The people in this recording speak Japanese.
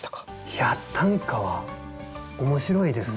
いや短歌は面白いです。